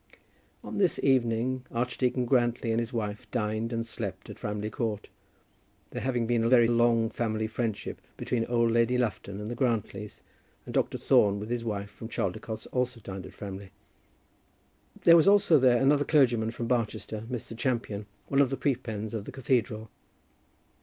On this evening Archdeacon Grantly and his wife dined and slept at Framley Court, there having been a very long family friendship between old Lady Lufton and the Grantlys, and Dr. Thorne with his wife, from Chaldicotes, also dined at Framley. There was also there another clergyman from Barchester, Mr. Champion, one of the prebends of the cathedral.